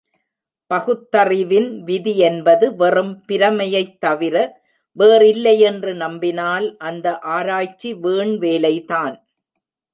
பகுத்தறிவின் விதி என்பது வெறும் பிரமையைத் தவிர வேறில்லையென்று நம்பினால், அந்த ஆராய்ச்சி வீண் வேலைதான்.